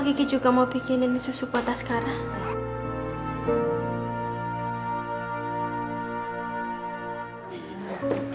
kiki juga mau bikinin susu potas sekarang